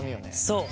そう。